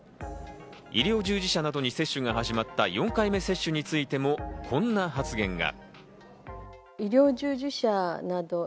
医療従事者などに接種が始まった４回目接種についても、こんな発言が。